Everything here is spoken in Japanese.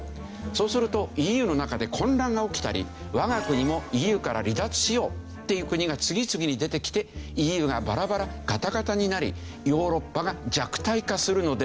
そうするとＥＵの中で混乱が起きたり我が国もＥＵから離脱しようっていう国が次々に出てきてＥＵがバラバラガタガタになりヨーロッパが弱体化するのではないか。